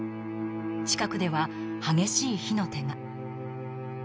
近くでは激しい火の手が。